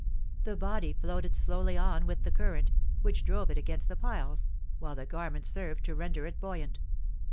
The body floated slowly on with the current, which drove it against the piles, while the garments served to render it buoyant.